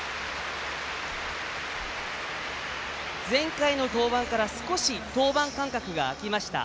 前回の登板から少し登板間隔が空きました。